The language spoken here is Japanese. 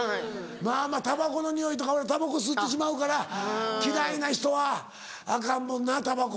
まぁまぁたばこのにおいとか俺たばこ吸ってしまうから嫌いな人はアカンもんなたばこ。